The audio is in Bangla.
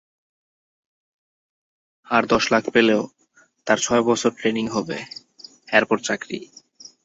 আর দশ লাখ পেলেও, তার ছয়বছর ট্রেনিং হবে, এরপর চাকরি।